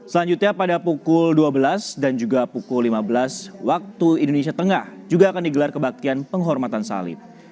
selanjutnya pada pukul dua belas dan juga pukul lima belas waktu indonesia tengah juga akan digelar kebaktian penghormatan salib